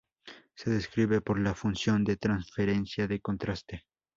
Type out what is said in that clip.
Se describe por la "función de transferencia de contraste".